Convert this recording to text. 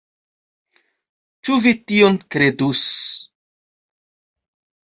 Ĉu vi tion kredus!